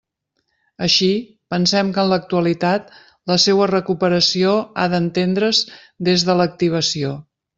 Així, pensem que en l'actualitat la seua recuperació ha d'entendre's des de l'«activació».